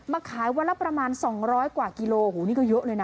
ขายวันละประมาณ๒๐๐กว่ากิโลโอ้โหนี่ก็เยอะเลยนะ